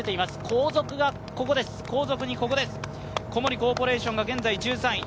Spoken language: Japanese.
後続がここです、小森コーポレーションが現在１３位。